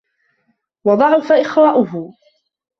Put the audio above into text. وَضَعُفَ إخَاؤُهُ